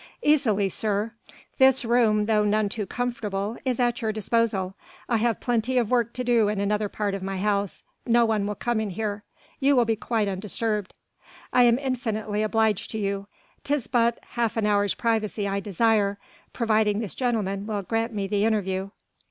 "Easily, sir. This room though none too comfortable is at your disposal. I have plenty of work to do in another part of my house. No one will come in here. You will be quite undisturbed." "I am infinitely obliged to you. 'Tis but half an hour's privacy I desire ... providing this gentleman will grant me the interview."